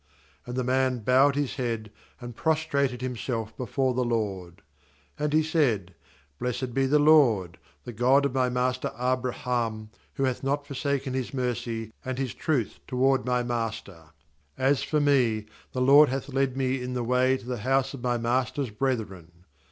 26And the man bowed his head, and prostrated himself before the LORD. 27And he said: ' Blessed be the LORD, the God of my master Abraham, who hath not forsaken His mercy and His truth toward my master; as for me, the LORD hath led me in the way to the house of my master's brethren.'